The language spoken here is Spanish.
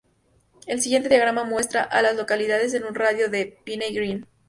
El siguiente diagrama muestra a las localidades en un radio de de Piney Green.